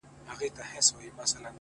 • چي لیدلی یې مُلا وو په اوبو کي ,